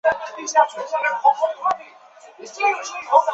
本亚科物种的阴茎包皮均有包皮腺。